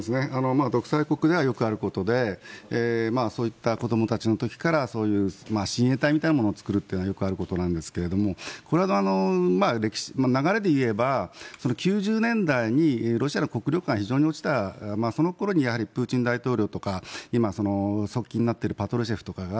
独裁国家ではよくあることでそういった子どもの時から親衛隊みたいなものを作るのはよくあることなんですがこれが歴史の流れで言えば９０年代にロシアの国力が非常に落ちたその頃にプーチン大統領とか今、側近になっているパトルシェフとかが